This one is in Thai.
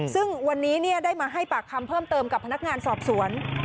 ซึ่งวันนี้ได้มาให้ปากคำเพิ่มเติมกับพนักงานสอบสวน